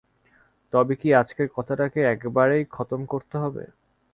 তবে কি আজকের কথাটাকে একেবারেই খতম করতে হবে।